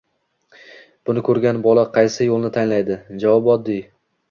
Buni ko'rgan bola qaysi yo'lni tanlaydi? Javob oddiy